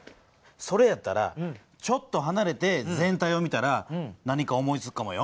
それやったらちょっとはなれて全体を見たら何か思いつくかもよ。